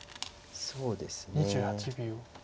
そうですね。